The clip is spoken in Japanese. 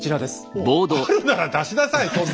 おおあるなら出しなさいそんな。